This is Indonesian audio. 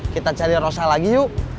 kita cari rosa lagi yuk